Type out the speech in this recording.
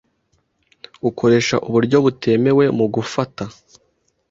ukoresha uburyo butemewe mu gufata,